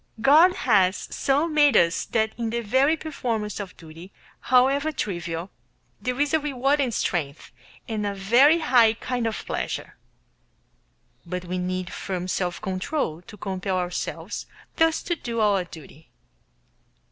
God has so made us that in the very performance of duty, however trivial, there is a reward and strength and a very high kind of pleasure. But we need firm self control to compel ourselves thus to do our duty.